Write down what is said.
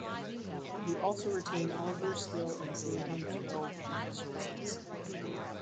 You also retain all of your skill and saving throw proficiencies.